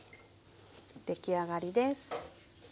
出来上がりです。